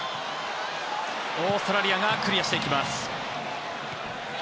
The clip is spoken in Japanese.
オーストラリアがクリアしていきます。